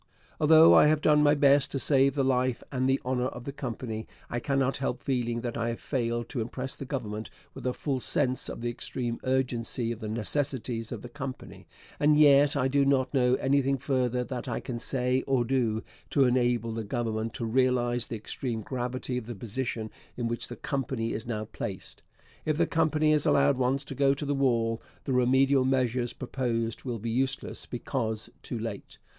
Although I have done my best to save the life and the honour of the Company, I cannot help feeling that I have failed to impress the Government with a full sense of the extreme urgency of the necessities of the Company, and yet I do not know anything further that I can say or do to enable the Government to realize the extreme gravity of the position in which the Company is now placed. If the Company is allowed once to go to the wall, the remedial measures proposed will be useless because too late.